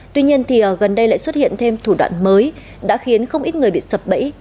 tuy nhiên thì gần đây lại xuất hiện thêm thủ đoạn mới đã khiến không ít người bị sập bẫy